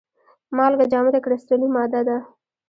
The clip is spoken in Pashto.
مالګه جامده کرستلي ماده ده.